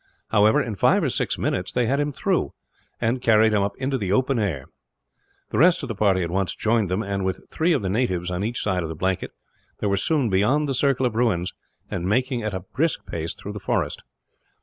However, in five or six minutes they had him through, and carried him up into the open air. The rest of the party at once joined them and, with three of the natives on each side of the blanket, they were soon beyond the circle of ruins, and making at a brisk pace through the forest.